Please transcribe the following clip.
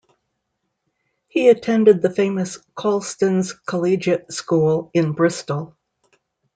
He attended the famous Colston's Collegiate School in Bristol.